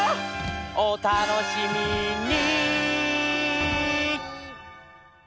「おたのしみに！」